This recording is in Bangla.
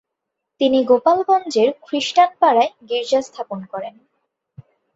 তিনি গোপালগঞ্জের খ্রিস্টান পাড়ায় গীর্জা স্থাপন করেন।